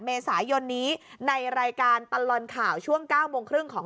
เมศยนนนี้ในรายการปัลลอนข่าวช่วงเก้าโมงครึ่งของ